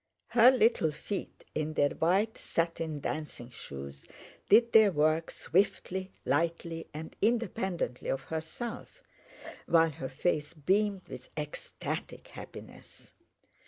Her little feet in their white satin dancing shoes did their work swiftly, lightly, and independently of herself, while her face beamed with ecstatic happiness.